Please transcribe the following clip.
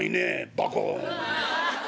バコン」。